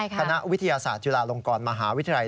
คณะวิทยาศาสตร์จุฬาลงกรมหาวิทยาลัย